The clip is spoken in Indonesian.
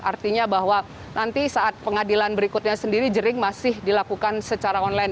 artinya bahwa nanti saat pengadilan berikutnya sendiri jering masih dilakukan secara online